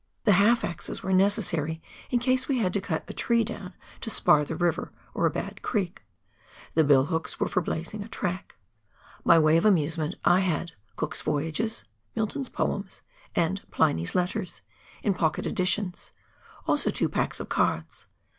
The half axes were necessary in case we had to cut a tree down to " spar " the river or a bad creek ; the bill hooks were for blazing a track. By way of amusement I had " Cook's Voyages," "Milton's Poems," and "Pliny's Letters" in pocket editions, also two packs of cards.